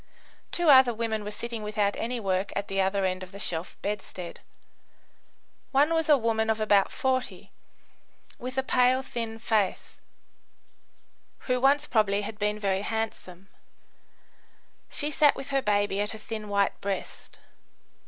Two other women were sitting without any work at the other end of the shelf bedstead. One was a woman of about 40, with a pale, thin face, who once probably had been very handsome. She sat with her baby at her thin, white breast.